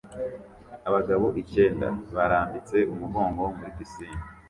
Abagabo icyenda barambitse umugongo muri pisine